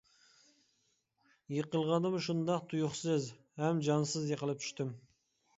يىقىلغاندىمۇ شۇنداق تۇيۇقسىز ھەم جانسىز يىقىلىپ چۈشتۈم.